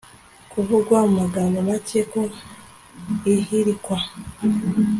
havugwa mu magambo make ko ihirikwa